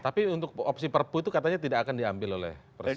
tapi untuk opsi perpu itu katanya tidak akan diambil oleh presiden